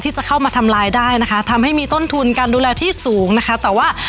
ที่สำคัญอะไรรู้ไหมคะ